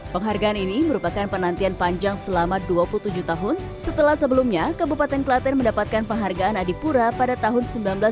penghargaan ini merupakan penantian panjang selama dua puluh tujuh tahun setelah sebelumnya kabupaten klaten mendapatkan penghargaan adipura pada tahun seribu sembilan ratus sembilan puluh